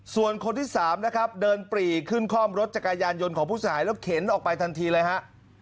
ส่วนคนที่๓นะครับเดินปรีขึ้นคล่อมรถจักรยานยนต์ของผู้เสียหายแล้วเข็นออกไปทันทีเลยฮะ